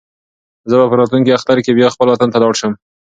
زه به په راتلونکي اختر کې بیا خپل وطن ته لاړ شم.